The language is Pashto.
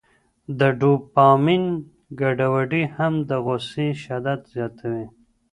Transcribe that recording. د ډوپامین ګډوډي هم د غوسې شدت زیاتوي.